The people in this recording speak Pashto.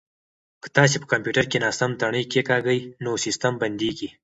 که تاسي په کمپیوټر کې ناسم تڼۍ کېکاږئ نو سیسټم بندیږي.